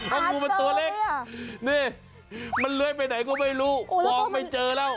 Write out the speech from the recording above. อันเน่นิ้งมันเกือบของงูพอไม่เจอแล้ว